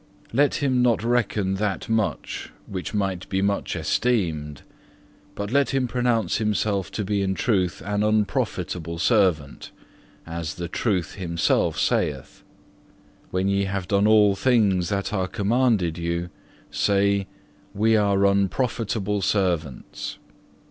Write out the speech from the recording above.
Let him not reckon that much which might be much esteemed, but let him pronounce himself to be in truth an unprofitable servant, as the Truth Himself saith, When ye have done all things that are commanded you, say, we are unprofitable servants.